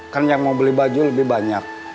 kan yang mau beli baju lebih banyak